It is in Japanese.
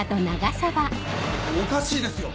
おかしいですよ！